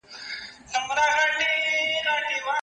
فتحه زما ده، فخر زما دی، جشن زما دی